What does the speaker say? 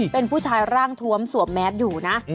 เป็นผู้ชายร่างทวมสวมแมสอยู่นะ